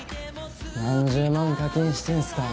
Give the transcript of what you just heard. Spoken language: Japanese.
何十万課金してんすか？